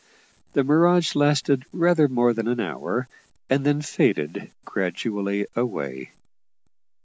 The mirage lasted rather more than an hour, and then faded gradually away.